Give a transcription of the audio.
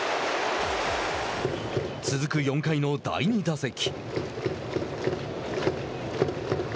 続く、４回の第２打席。